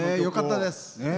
よかったです。